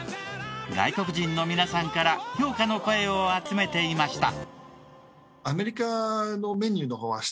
外国人の皆さんから評価の声を集めていました。